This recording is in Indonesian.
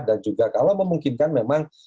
dan juga kalau memungkinkan memang